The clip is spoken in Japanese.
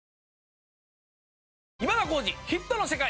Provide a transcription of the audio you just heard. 『今田耕司★ヒットの世界』。